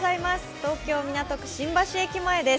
東京・港区、新橋駅前です。